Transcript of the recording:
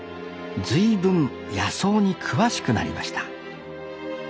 随分野草に詳しくなりました